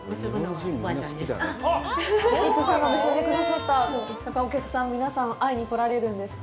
みつさんが結んでくださったら、やっぱりお客さん、皆さん、会いに来られるんですか？